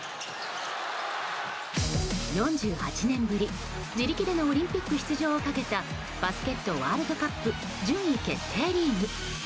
４８年ぶり、自力でのオリンピック出場をかけたバスケットワールドカップ順位決定リーグ。